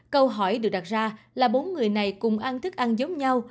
câu hỏi được đặt ra là bốn người này cùng ăn thức ăn giống nhau